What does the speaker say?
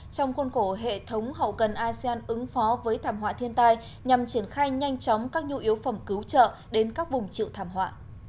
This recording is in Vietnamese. trong khuôn khổ hệ thống hậu cần asean ứng phó với thảm họa thiên tai nhằm triển khai nhanh chóng các nhu yếu phẩm cứu trợ đến các vùng chịu thảm họa